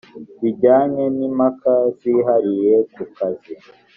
bijyanye n impaka zihariye ku kazi